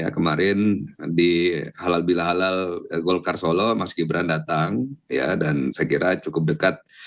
kemarin di halal bila halal golkar solo mas gibran datang dan saya kira cukup dekat